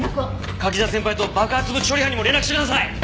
柿沢先輩と爆発物処理班にも連絡してください！